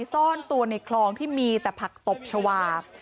ซ่อนตัวในคลองที่มีแต่ผักตบชาวา